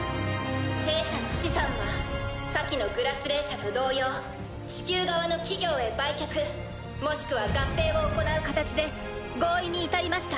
弊社の資産は先の「グラスレー社」と同様地球側の企業へ売却もしくは合併を行う形で合意に至りました。